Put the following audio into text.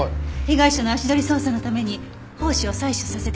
被害者の足取り捜査のために胞子を採取させてください。